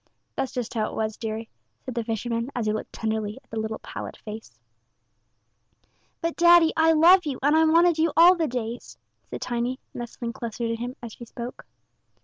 That's just how it was, deary," said the fisherman, as he looked tenderly at the little pallid face. "But, daddy, I love you, and I wanted you all the days," said Tiny, nestling closer to him as she spoke.